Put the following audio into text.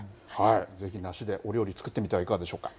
ぜひ梨でお料理作ってみてはいかがでしょうか。